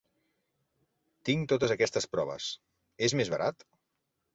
Tinc totes aquestes proves, és més barat?